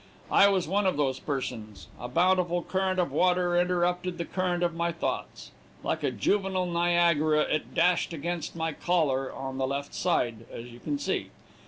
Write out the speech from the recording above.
I was one of those persons; a bountiful current of water interrupted the current of my thoughts; like a juvenile Niagara, it dashed against my collar in the left side, as you can see.